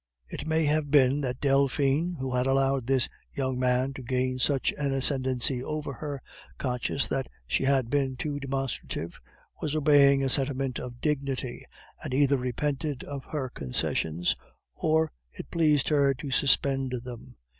It may have been that Delphine, who had allowed this young man to gain such an ascendency over her, conscious that she had been too demonstrative, was obeying a sentiment of dignity, and either repented of her concessions, or it pleased her to suspend them.